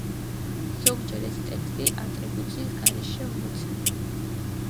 ზოგჯერ ეს ტექსტი ატრიბუციის გარეშეა მოცემული.